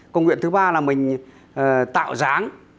công việc thứ ba là mình tạo dáng